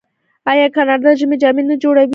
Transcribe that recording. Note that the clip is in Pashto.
آیا کاناډا د ژمي جامې نه جوړوي؟